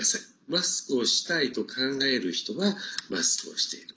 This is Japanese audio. マスクをしたいと考える人はマスクをしている。